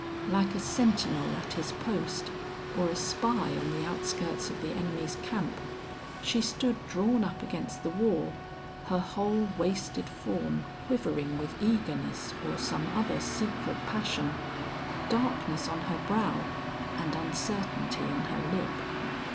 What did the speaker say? Like a sentinel at his post, or a spy on the outskirts of the enemy's camp, she stood drawn up against the wall, her whole wasted form quivering with eagerness or some other secret passion; darkness on her brow and uncertainty on her lip.